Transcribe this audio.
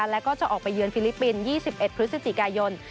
แล้วก็จะออกไปเยือนฟิลิปปินส์๒๑พฤศจิกายน